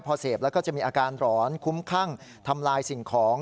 พอเสพแล้วก็จะมีอาการหลอนคุ้มคั่งทำลายสิ่งของ